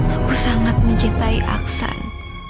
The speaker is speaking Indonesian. aku sangat mencintai aksan